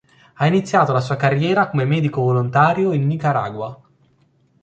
Ha iniziato la sua carriera come medico volontario in Nicaragua.